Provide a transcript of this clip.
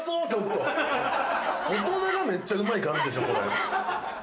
大人がめっちゃうまい感じでしょこれ。